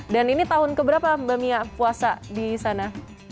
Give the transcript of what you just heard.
dan ini tahun keberapa bu mia puasa di sana